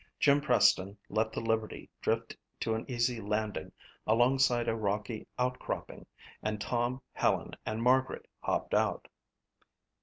Jim Preston let the Liberty drift to an easy landing alongside a rocky outcropping and Tom, Helen and Margaret hopped out.